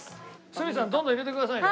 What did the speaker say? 鷲見さんどんどん入れてくださいね。